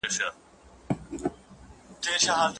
ایا د ښوونځیو لپاره د درسي کتابونو ستونزه حل شوې ده؟